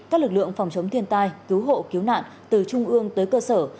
các lực lượng phòng chống thiên tai cứu hộ cứu nạn từ trung ương tới cơ sở